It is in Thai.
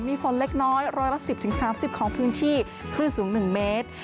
มีฝนเล็กน้อยร้อยละ๑๐๓๐ของพื้นที่คลื่นสูง๑เมตร